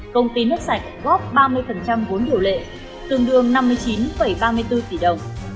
công ty nước sạch góp ba mươi vốn điều lệ tương đương năm mươi chín ba mươi bốn tỷ đồng